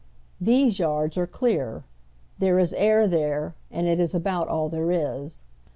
These yards are clear. Tiiere ia air there, and it is abont all there is.